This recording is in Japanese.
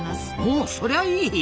おそりゃいい！